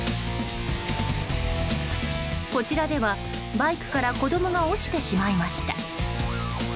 こちらではバイクから子供が落ちてしまいました。